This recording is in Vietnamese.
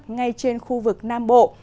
ngay trên khu vực nam bộ